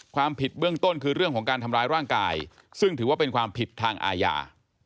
ความผิดเบื้องต้นคือเรื่องของการทำร้ายร่างกายซึ่งถือว่าเป็นความผิดทางอาญา